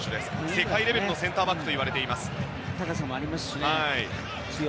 世界レベルのセンターバックといわれています。